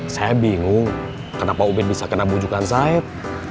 saya bingung kenapa ubet bisa kena bujukan saeb